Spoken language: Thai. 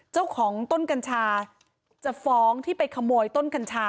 เจ้าของต้นกัญชาจะฟ้องที่ไปขโมยต้นกัญชา